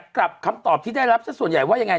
กลับคำตอบที่ได้รับส่วนใหญ่ว่าอีงไง